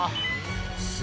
す